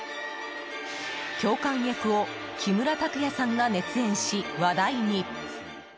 教官役を木村拓哉さんが熱演し話題に。